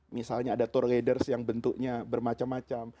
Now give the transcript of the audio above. misalnya ada tour leaders yang bentuknya bermacam macam